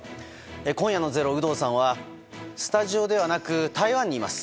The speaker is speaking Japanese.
今夜の「ｚｅｒｏ」有働さんはスタジオではなく台湾にいます。